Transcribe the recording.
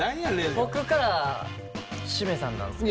僕からしめさんなんすけど。